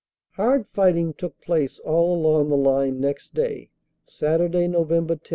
Hard fighting took place all along the line next day, Saturday, Nov. 10.